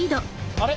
あれ？